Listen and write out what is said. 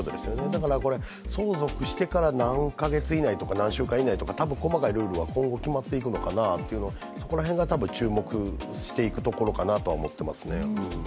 だから相続してから何か月以内とか、何週間以内とか多分細かいルールは今後決まっていくのかな、そこら辺は注目していくところかなと思っていますね。